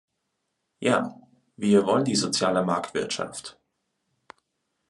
Ja, wir wollen die soziale Marktwirtschaft!